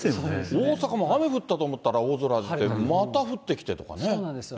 大阪も雨降ったと思ったら、青空で、また降ってきてるんですよね。